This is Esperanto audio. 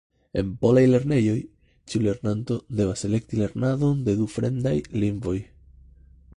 En polaj lernejoj ĉiu lernanto devas elekti lernadon de du fremdaj lingvoj.